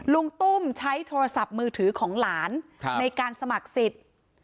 ลุงตุ้มใช้โทรศัพท์มือถือของหลานในการสมัครสิทธิ์